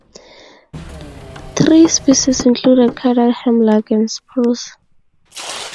Tree species include cedar, hemlock, and spruce.